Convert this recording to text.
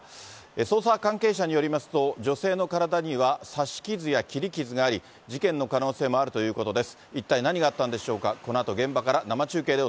捜査関係者によりますと、女性の体には刺し傷や切り傷があり、事件の可能性もあるということです。